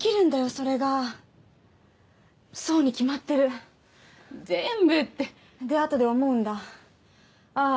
それがそうに決まってる全部ってであとで思うんだあーあ